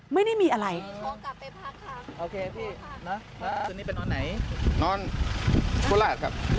ไม่ได้มีอะไร